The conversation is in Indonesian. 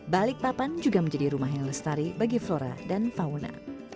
balikpapan juga menjadi rumah yang lestari bagi flora dan fauna